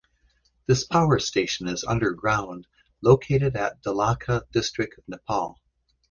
This power station is underground located at Dolakha district of Nepal.